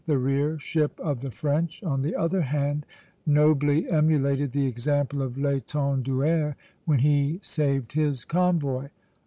The rear ship of the French, on the other hand, nobly emulated the example of L'Étenduère when he saved his convoy.